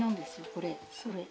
これこれ。